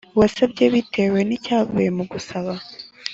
Uwasabye bitewe n icyavuye mu gusaba